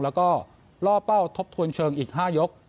แล้วก็ล่อเป้าทบทวนเชิงอีก๕ยก